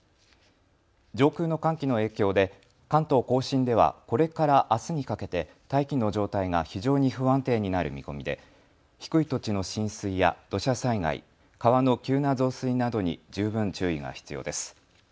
上空の寒気の影響で関東甲信ではこれからあすにかけて大気の状態が非常に不安定になる見込みで低い土地の浸水や土砂災害、川の急な増水などに十分注意が必要です。